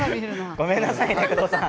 ごめんなさい工藤さん